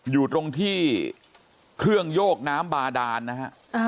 อยู่ตรงที่เครื่องโยกน้ำบาดานนะฮะ